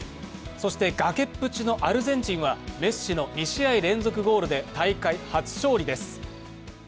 そして崖っぷちのアルゼンチンはメッシの２試合連続ゴールで大会初勝利です。